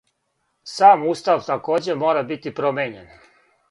Сам устав такође мора бити промењен.